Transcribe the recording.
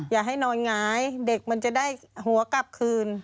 อย่าให้นอนหงายเด็กมันจะได้หัวกลับคืน